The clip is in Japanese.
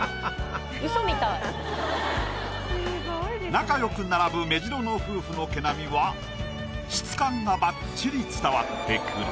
仲よく並ぶメジロの夫婦の毛並みは質感がバッチリ伝わってくる。